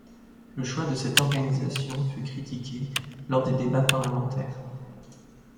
Le choix de cette organisation fut critiqué lors des débats parlementaires.